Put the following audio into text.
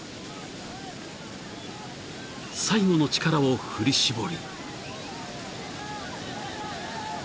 ［最後の力を振り絞り］